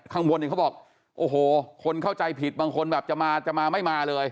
ข้างบนเนี่ยเขาบอกโอ้โหคนเข้าใจผิดบางคนแบบจะมาจะมาไม่มาเลย